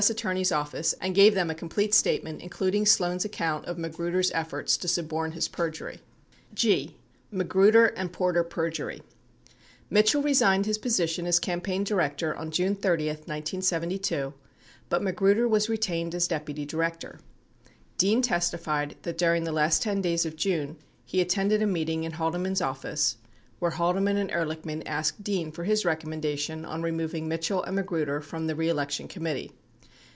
Attorney's Office and gave them a complete statement, including Sloan's account of Magruder's effort to suborn his perjury . 86 G. Magruder and Porter Perjury Mitchell resigned his position as campaign director on June 30, 1972, but Magruder was retained as deputy director. 87 Dean testified that during the last 10 days of June he attended a meeting in Haldeman's office where Haldeman and Ehrlichman asked Dean for his recommen dation on removing Mitchell and Magruder from the reelection com mittee.